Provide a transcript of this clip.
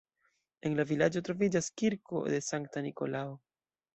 En la vilaĝo troviĝas kirko de Sankta Nikolao.